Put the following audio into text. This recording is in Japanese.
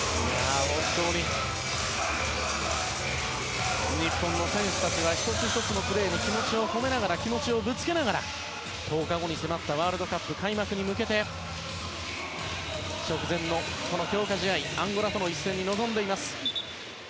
本当に日本の選手たちは１つ１つのプレーに気持ちを込めながら気持ちをぶつけながら１０日後に迫ったワールドカップ開幕に向けて直前の強化試合、アンゴラとの一戦に臨んでいます。